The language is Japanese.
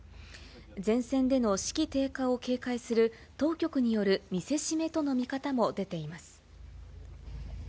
前線での士気低下を警戒する当局による見せしめとの見方も出ています。